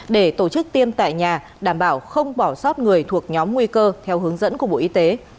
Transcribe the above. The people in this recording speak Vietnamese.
để tổ chức tiêm tại nhà đảm bảo không bỏ sót người thuộc nhóm nguy cơ theo hướng dẫn của bộ y tế